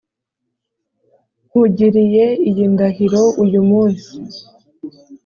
Nkugiriye iyi ndahiro uyu munsi